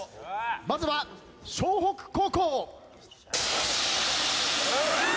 まずは笑北高校。